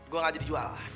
gua gak jadi jual